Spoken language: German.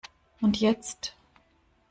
Und jetzt?